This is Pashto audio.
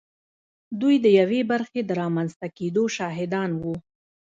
دوی د یوې برخې د رامنځته کېدو شاهدان وو